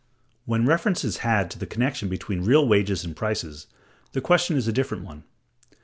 (169) When reference is had to the connection between real wages and prices, the question is a different one.